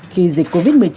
khi dịch covid một mươi chín